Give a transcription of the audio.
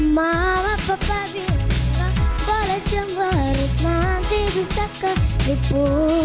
mama papa bilang gak boleh cemberit nanti bisa teripu